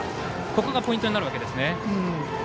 ここがポイントになるわけですね。